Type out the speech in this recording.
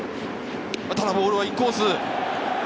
ただボールはインコース。